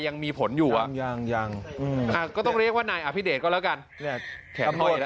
ยังมีผลอยู่อ่ะยังยังก็ต้องเรียกว่านายอภิเดชก็แล้วกันแขนห้อยแล้ว